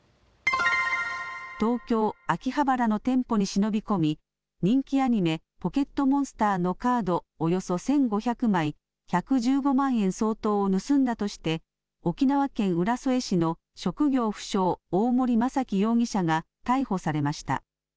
東京秋葉原の店舗に忍び込み人気アニメ、ポケットモンスターのカードおよそ１５００枚、１１５万円相当を盗んだとして沖縄県浦添市の職業不詳、大森正樹容疑者が逮捕されました。